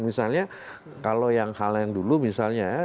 misalnya kalau yang hal yang dulu misalnya